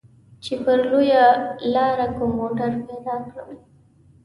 چې پر لويه لاره کوم موټر پيدا کړم.